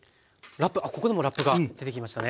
ここでもラップが出てきましたね。